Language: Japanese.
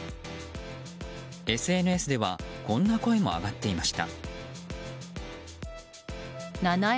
ＳＮＳではこんな声も上がっていました。